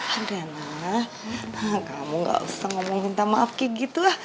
ada nana kamu gak usah ngomong minta maaf kayak gitu lah